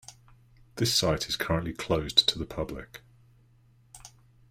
This site is currently closed to the public.